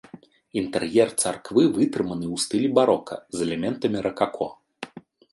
Інтэр'ер царквы вытрыманы ў стылі барока з элементамі ракако.